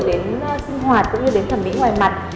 đến sinh hoạt cũng như đến thẩm mỹ ngoài mặt